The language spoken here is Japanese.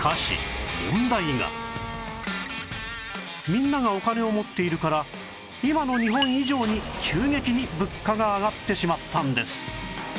みんながお金を持っているから今の日本以上に急激に物価が上がってしまったんです